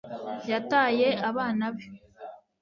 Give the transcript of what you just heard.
yataye abana be